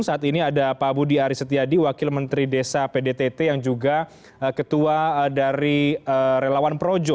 saat ini ada pak budi aris setiadi wakil menteri desa pdtt yang juga ketua dari relawan projo